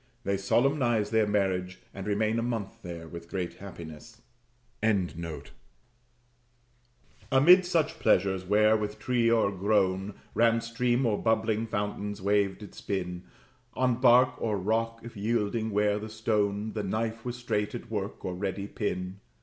They solemnize their marriage, and remain a month there with great happiness.] Amid such pleasures, where, with tree o'ergrown, Ran stream, or bubbling fountain's wave did spin, On bark or rock, if yielding were the stone, The knife was straight at work, or ready pin.